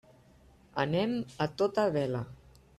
Anem a tota vela.